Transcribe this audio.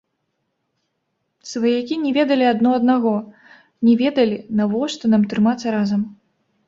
Сваякі не ведалі адно аднаго, не ведалі, навошта нам трымацца разам.